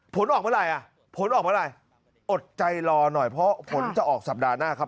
ผลออกเมื่อไหร่อ่ะผลออกเมื่อไหร่อดใจรอหน่อยเพราะผลจะออกสัปดาห์หน้าครับ